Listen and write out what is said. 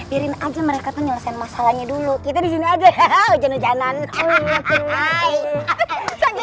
hai ayo mereka tuh nyelesain masalahnya dulu kita di sini aja jalan jalan